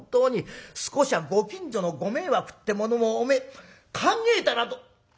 少しはご近所のご迷惑ってものをお前考えたらどう。